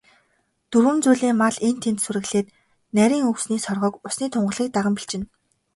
Дөрвөн зүйлийн мал энд тэнд сүрэглээд, нарийн өвсний соргог, усны тунгалгийг даган бэлчинэ.